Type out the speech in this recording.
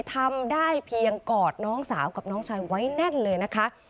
ทำได้เพียงกอดน้องสาวกับน้องชายไว้แน่นเลยนะคะ